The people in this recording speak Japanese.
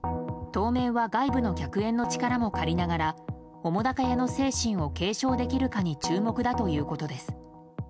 当面は外部の客演の力も借りながら澤瀉屋の精神を継承できるかに注目だということです。